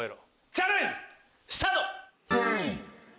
チャレンジスタート！